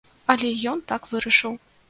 Але ён так вырашыў.